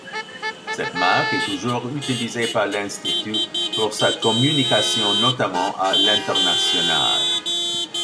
Cette marque est toujours utilisée par l'institut pour sa communication notamment à l'international.